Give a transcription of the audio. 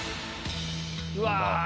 うわ！